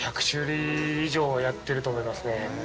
１００種類以上はやってると思いますね。